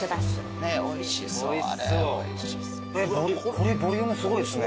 これボリュームすごいっすね。